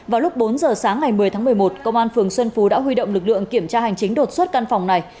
vào lúc bốn giờ sáng ngày một mươi tháng một mươi một công an phường xuân phú đã huy động lực lượng kiểm tra hành chính đột xuất căn phòng này